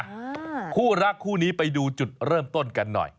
คู่รักคู่นี้ไปดูจุดเริ่มต้นกันหน่อย